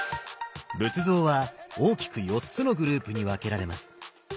仏像は大きく４つのグループに分けられます。